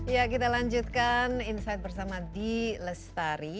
ya kita lanjutkan insight bersama d lestari